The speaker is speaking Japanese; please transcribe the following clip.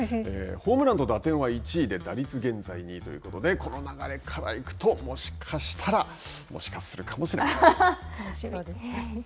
ホームランと打点は１位で打率現在２位ということでこの流れからいくともしかしたら楽しみですね。